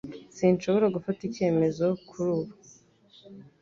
Sinshobora gufata icyemezo kuri ubu.